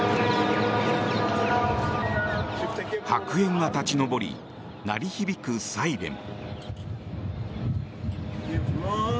白煙が立ち上り鳴り響くサイレン。